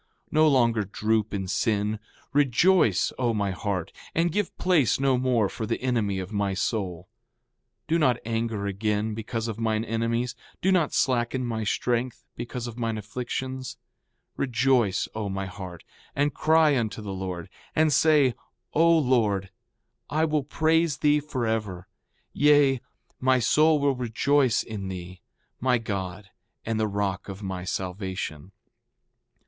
No longer droop in sin. Rejoice, O my heart, and give place no more for the enemy of my soul. 4:29 Do not anger again because of mine enemies. Do not slacken my strength because of mine afflictions. 4:30 Rejoice, O my heart, and cry unto the Lord, and say: O Lord, I will praise thee forever; yea, my soul will rejoice in thee, my God, and the rock of my salvation.